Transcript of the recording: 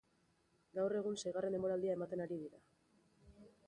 Gaur egun seigarren denboraldia ematen ari dira.